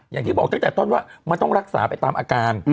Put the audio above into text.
อย่างที่บอกตั้งแต่ต้นว่ามันต้องรักษาไปตามอาการ